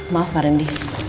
maaf pak rendy